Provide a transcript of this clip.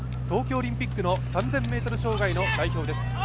東京オリンピックの３０００ｍ障害の代表です。